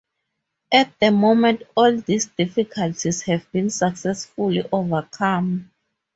At the moment all these difficulties have been successfully overcome.